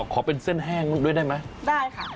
ขอเป็นเส้นแห้งด้วยได้ไหมได้ค่ะ